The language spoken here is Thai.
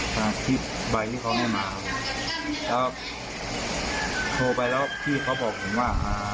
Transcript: ทางอาทิตย์ใบที่เขาให้มาครับแล้วโทรไปแล้วที่เขาบอกเห็นว่า